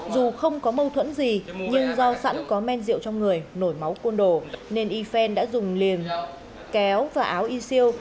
dù không có mâu thuẫn gì nhưng do sẵn có men rượu trong người nổi máu côn đồ nên ifen đã dùng liền kéo và áo isil